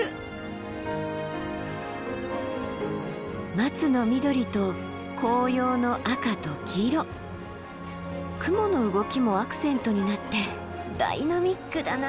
マツの緑と紅葉の赤と黄色雲の動きもアクセントになってダイナミックだな。